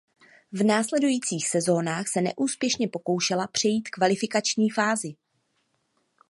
V následujících sezónách se neúspěšně pokoušela přejít kvalifikační fázi.